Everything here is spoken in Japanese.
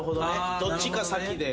どっちか先で。